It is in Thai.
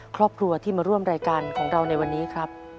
ครอบครัวที่มาร่วมรายการของเราในวันนี้ครับ